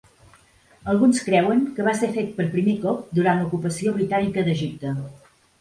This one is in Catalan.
Alguns creuen que va ser fet per primer cop durant l'ocupació britànica d'Egipte.